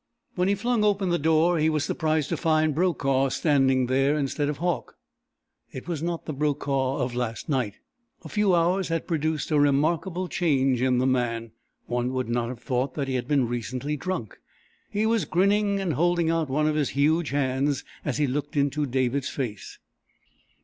When he flung open the door he was surprised to find Brokaw standing there instead of Hauck. It was not the Brokaw of last night. A few hours had produced a remarkable change in the man. One would not have thought that he had been recently drunk. He was grinning and holding out one of his huge hands as he looked into David's face.